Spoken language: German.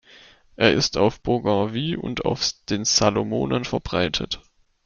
Er ist auf Bougainville und auf den Salomonen verbreitet.